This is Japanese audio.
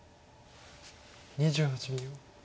２８秒。